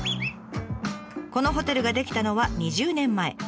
このホテルが出来たのは２０年前。